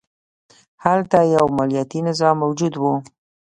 هلته یو مالیاتي نظام موجود و